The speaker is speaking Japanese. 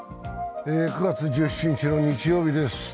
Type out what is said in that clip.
９月１７日の日曜日です。